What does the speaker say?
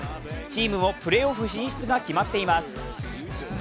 チームもプレーオフ進出が決まっています。